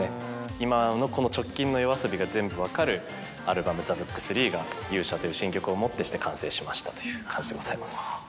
今のこの直近のＹＯＡＳＯＢＩが全部分かるアルバム『ＴＨＥＢＯＯＫ３』が『勇者』という新曲をもってして完成しましたという感じでございます。